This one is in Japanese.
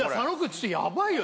ちょっとやばいよ